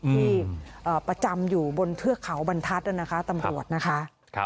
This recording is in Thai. ที่ประจำอยู่บนเทือกเขาบรรทัศน์นะคะตำรวจนะคะ